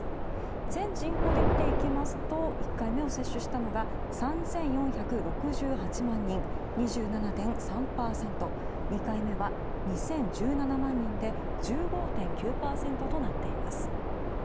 全人口で見ていくと１回目を接種したのが３４６８万人、２７．３％２回目は２０１７万人で１５．９％となっています。